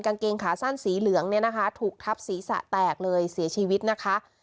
กางเกงขาสั้นสีเหลืองเนี่ยนะคะถูกทับศีรษะแตกเลยเสียชีวิตนะคะ